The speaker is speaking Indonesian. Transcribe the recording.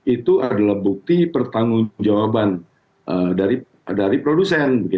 itu adalah bukti pertanggung jawaban dari produsen